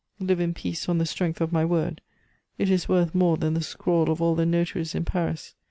Live in peace on the strength of my word; it is worth more than the scrawl of all the notaries in Paris.